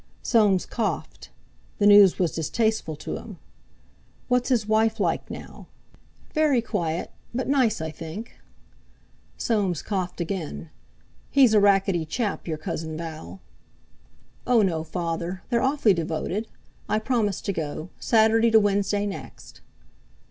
Soames coughed: the news was distasteful to him. "What's his wife like now?" "Very quiet, but nice, I think." Soames coughed again. "He's a rackety chap, your Cousin Val." "Oh! no, Father; they're awfully devoted. I promised to go—Saturday to Wednesday next."